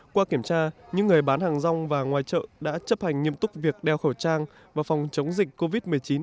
qua kiểm tra những người bán hàng rong và ngoài chợ đã chấp hành nghiêm túc việc đeo khẩu trang và phòng chống dịch covid một mươi chín